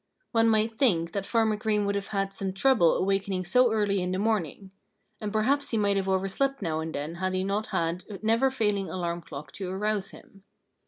One might think that Farmer Green would have had some trouble awaking so early in the morning. And perhaps he might have overslept now and then had he not had a never failing alarm clock to arouse him.